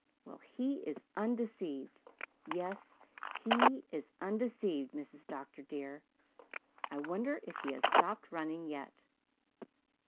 Well, he is undeceived yes, he is undeceived, Mrs. Dr. dear. I wonder if he has stopped running yet."